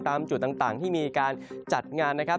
ตามจุดต่างที่มีการจัดงานนะครับ